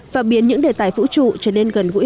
và biến những đề tài vũ trụ trở nên gần gũi